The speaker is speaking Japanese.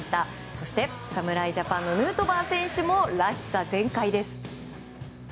そして侍ジャパンのヌートバー選手もらしさ全開です。